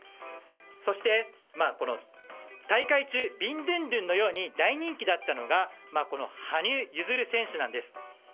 そして、大会中ビンドゥンドゥンのように大人気だったのが羽生結弦選手なんです。